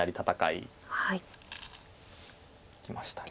いきました。